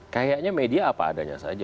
kayaknya media apa adanya saja